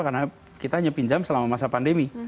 karena kita hanya pinjam selama masa pandemi